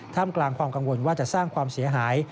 กลางความกังวลว่าจะสร้างความเสียหาย